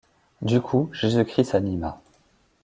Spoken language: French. Du coup, Jésus-Christ s’anima.